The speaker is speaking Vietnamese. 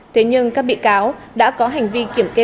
thế nhưng các bị cáo đã có hành vi kiểm kê